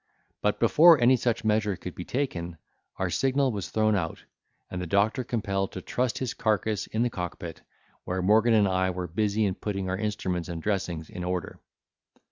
But, before any such measure could be taken, our signal was thrown out, and the doctor compelled to trust his carcass in the cockpit, where Morgan and I were busy in putting our instruments and dressings in order.